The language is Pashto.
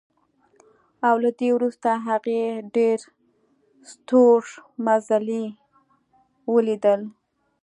او له دې وروسته هغې ډېر ستورمزلي ولیدل